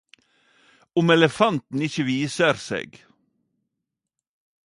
Om elefanten ikkje viser seg